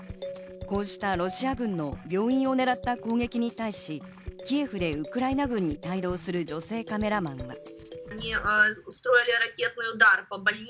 こうしたロシア軍の病院を狙った攻撃に対し、キエフでウクライナ軍に帯同する女性カメラマンは。